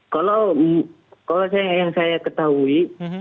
kalau yang saya ketahui